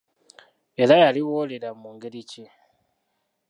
Era yaliwolera mu ngeri ki?